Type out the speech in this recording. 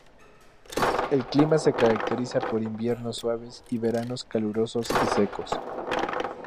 El clima se caracteriza por inviernos suaves y veranos calurosos y secos.